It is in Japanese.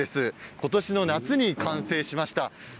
今年の夏に完成しました。